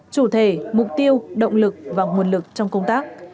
chủ thể mục tiêu động lực và nguồn lực trong công tác